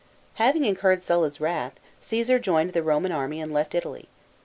Having incurred Sulla's wrath, Caesar joined the Roman army and left Italy.